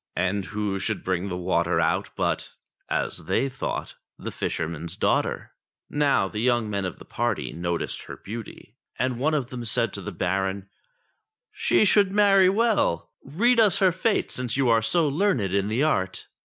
And who should bring the water out but, as they thought, the fisherman's daughter. Now the young men of the party noticed her beauty, and one of them said to the Baron, " She should marry well ; read us her fate since you are so learned in the art."